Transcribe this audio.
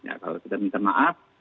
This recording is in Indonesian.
kalau sudah minta maaf